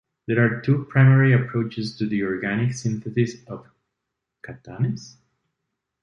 There are two primary approaches to the organic synthesis of catenanes.